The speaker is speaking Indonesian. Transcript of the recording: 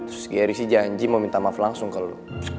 terus dia risi janji mau minta maaf langsung ke lo